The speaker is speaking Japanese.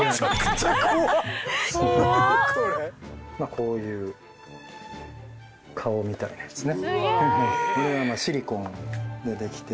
こういう顔みたいなやつね。